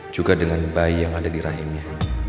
juga dengan bayi yang ada di rahimnya